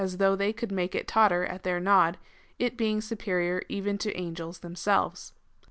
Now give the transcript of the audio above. though they could make it totter at their nod,i it being superior even to angels themselves.'"